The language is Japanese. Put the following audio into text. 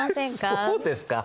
そうですか？